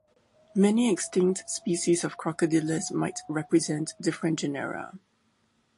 Many extinct species of "Crocodylus" might represent different genera.